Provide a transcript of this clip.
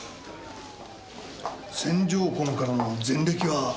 線条痕からの前歴は？